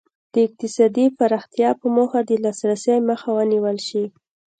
د اقتصادي پراختیا په موخه د لاسرسي مخه ونیول شي.